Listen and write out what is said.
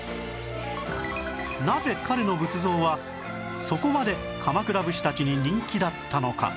なぜ彼の仏像はそこまで鎌倉武士たちに人気だったのか？